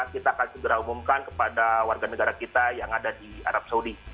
kita akan segera umumkan kepada warga negara kita yang ada di arab saudi